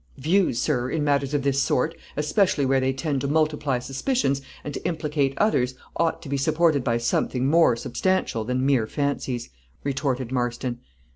"Views, sir, in matters of this sort, especially where they tend to multiply suspicions, and to implicate others, ought to be supported by something more substantial than mere fancies," retorted Marston.